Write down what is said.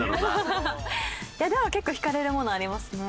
でも結構引かれるものありますね。